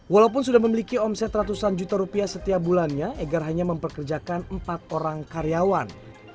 walaupun sudah memiliki omset ratusan juta rupiah setiap bulannya egar hanya memperkerjakan empat orang karyawan